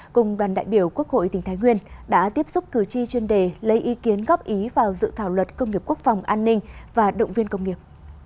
cùng đoàn đại biểu quốc hội tỉnh thái nguyên đã tiếp xúc cử tri chuyên đề lấy ý kiến góp ý vào dự thảo luật công nghiệp quốc phòng an ninh và động viên công nghiệp